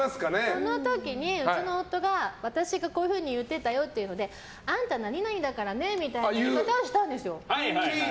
その時にうちの夫が私がこういうふうに言ってたよってあんた、何々だからねみたいな言い方をしたんですよ。